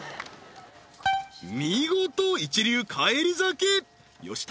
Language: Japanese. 見事一流返り咲き吉高